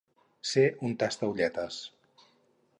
Ser un tastaolletes.